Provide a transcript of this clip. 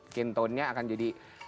skin tone nya akan jadi ini